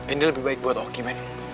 ini lebih baik buat hoki men